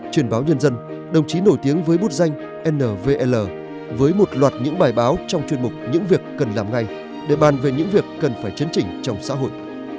trên báo nhân dân đồng chí nổi tiếng với bút danh nvl với một loạt những bài báo trong chuyên mục những việc cần làm ngay để bàn về những việc cần phải chấn chỉnh trong xã hội